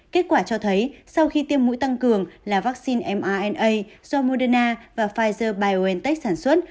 kết quả cho thấy sau khi tiêm mũi tăng cường là vaccine mna do moderna và pfizer biontech sản xuất